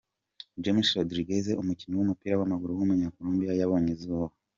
James Rodriguez, umukinnyi w’umupira w’amaguru w’umunya-Colombia yabonye izuba.